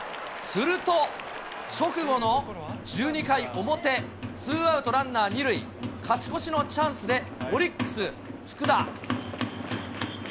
すると、直後の１２回表、ツーアウトランナー２塁、勝ち越しのチャンスで、オリックス、福田。